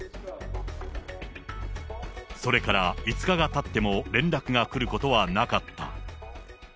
それから５日がたっても、連絡が来ることはなかった。